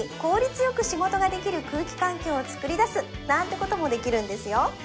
よく仕事ができる空気環境を作り出すなんてこともできるんですよ